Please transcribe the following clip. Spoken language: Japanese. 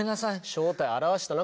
正体現したな